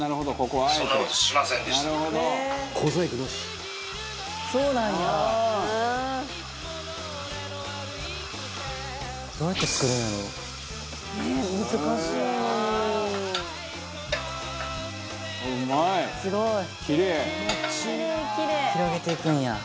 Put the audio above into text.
大西：広げていくんや。